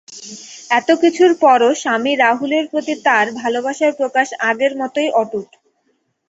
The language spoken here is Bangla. এত কিছুর পরও স্বামী রাহুলের প্রতি তার ভালোবাসার প্রকাশ আগের মতোই অটুট।